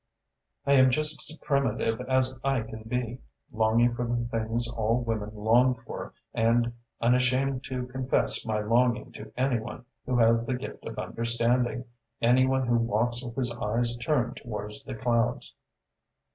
I am just as primitive as I can be, longing for the things all women long for and unashamed to confess my longing to any one who has the gift of understanding, any one who walks with his eyes turned towards the clouds."